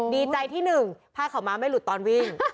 ดีใจที่หนึ่งผ้าขาวม้าไม่หลุดตอนวิ่ง